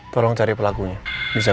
tolong cari pelakunya bisa gak